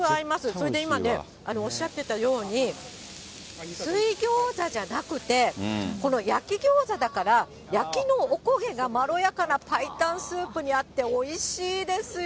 それで今ね、おっしゃってたように、水餃子じゃなくて、この焼き餃子だから、焼きのおこげがまろやかな白湯スープに合って、おいしいですよ。